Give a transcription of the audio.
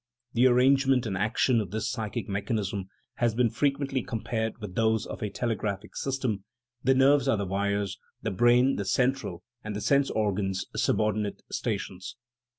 The arrangement 162 THE PHYLOGENY OF THE SOUL and action of this psychic mechanism have been fre quently compared with those of a telegraphic system : the nerves are the wires, the brain the central, and the sense organs subordinate stations.